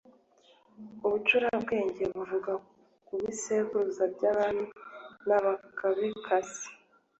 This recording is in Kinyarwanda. ubucurabwenge bwavugaga ku bisekuru by'abami n'abagabekazi